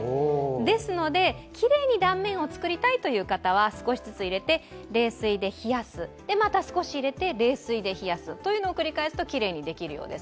ですので、きれいに断面を作りたいという人は少しずつ入れて冷水で冷やすというのを繰り返すときれいにできるようです。